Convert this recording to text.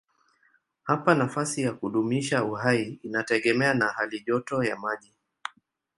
Hapa nafasi ya kudumisha uhai inategemea na halijoto ya maji.